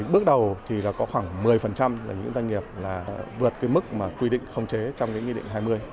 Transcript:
bước đầu thì có khoảng một mươi là những doanh nghiệp vượt mức quy định khống chế trong nghị định hai mươi